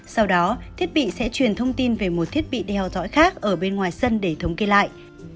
sau đó thiết bị sẽ truyền thông tin về một thiết bị đeo dõi khác ở bên ngoài sân để thống kê lại